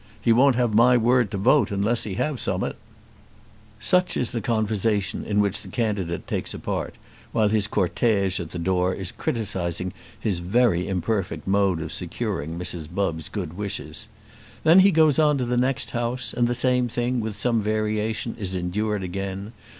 He won't have my word to vote unless he have some'at." Such is the conversation in which the candidate takes a part, while his cortège at the door is criticising his very imperfect mode of securing Mrs. Bubbs' good wishes. Then he goes on to the next house, and the same thing with some variation is endured again.